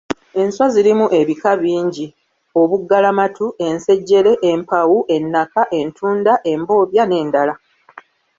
Enswa zirimu ebika bingi: obuggalamatu, ensejjere, empawu, ennaka, entunda, embobya n’ebirala.